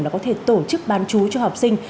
là có thể tổ chức bán chú cho học sinh